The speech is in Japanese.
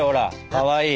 かわいい。